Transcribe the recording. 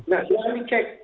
nah silahkan di cek